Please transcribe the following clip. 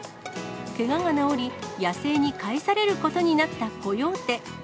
けがが治り、野生に帰されることになったコヨーテ。